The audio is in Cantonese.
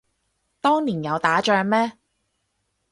當年有打仗咩